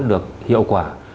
được hiệu quả